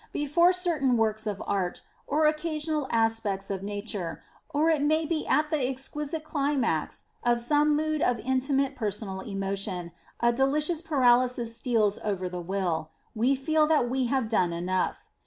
Before certain works of art, or occasional aspects of nature, or it may be at the exquisite climax of some mood of intimate personal emotion, a delicious paralysis steals over the will : we feel that we have done enough.